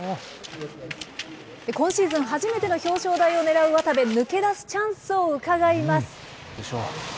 今シーズン初めての表彰台を狙う渡部、抜け出すチャンスをうかがいます。